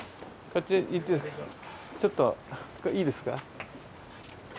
ちょっといいですか。